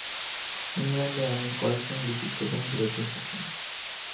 ইংলণ্ডে আমি জনকয়েক বিশিষ্ট বন্ধু রেখে এসেছি।